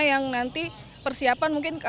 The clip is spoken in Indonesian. yang nanti persiapan mungkin